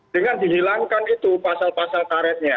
dengan dihilangkan itu pasal pasal karetnya